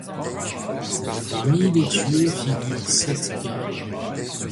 Parmi les tués figurent sept Iraniens.